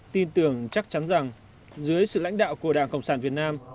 tin tưởng chắc chắn rằng dưới sự lãnh đạo của đảng cộng sản việt nam